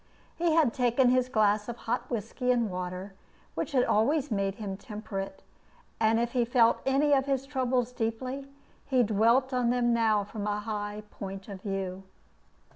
He had taken his glass of hot whiskey and water, which always made him temperate; and if he felt any of his troubles deeply, he dwelt on them now from a high point of view.